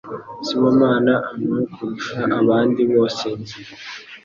Sibomana anywa kurusha abandi bose nzi.